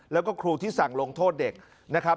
แล้วก็ครูที่สั่งลงโทษเด็กนะครับ